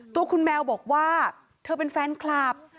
ตัวคุณแมวบอกว่าเธอเป็นแฟนคลับ